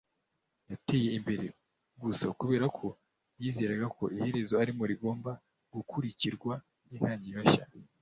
Yateye imbere gusa kubera ko yizeraga ko iherezo arimo rigomba gukurikirwa nintangiriro nshya.